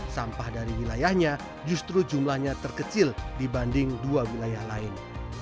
sampah dari wilayahnya justru jumlahnya terkecil dibanding dua wilayah lain